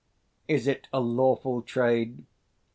is it a lawful trade?